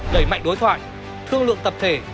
đẩy mạnh đối thoại thương lượng tập thể